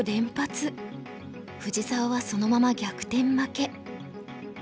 藤沢はそのまま逆転負け。